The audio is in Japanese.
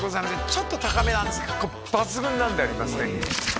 ちょっと高めなんですがここ抜群なんでありますね